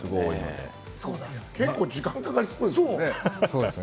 結構、時間かかりそうですよね。